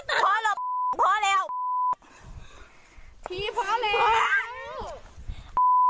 พอแล้วพี่พอแล้ว